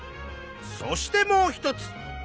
そしてもう一つ。